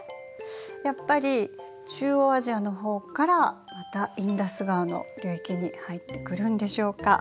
やっぱり中央アジアの方からまたインダス川の流域に入ってくるんでしょうか。